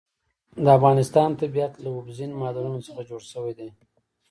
د افغانستان طبیعت له اوبزین معدنونه څخه جوړ شوی دی.